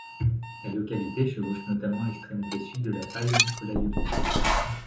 La localité chevauche notamment l'extrémité sud de la faille Collayomi.